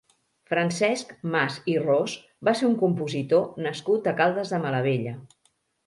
Francesc Mas i Ros va ser un compositor nascut a Caldes de Malavella.